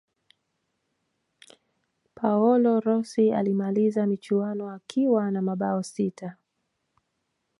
paolo rossi alimaliza michuano akiwa na mabao sita